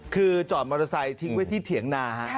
คือจอดมอเตอร์ไซค์ทิ้งไว้ที่เถียงนา